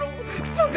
バカ！